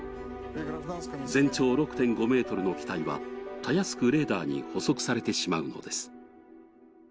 全長６．５ｍの機体はたやすくレーダーに補足されてしまうのです。